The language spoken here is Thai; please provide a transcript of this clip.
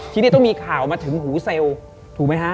ที่นี่ต้องมีข่าวมาถึงหูเซลล์ถูกไหมฮะ